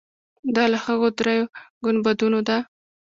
دا له هغو درېیو ګنبدونو ده.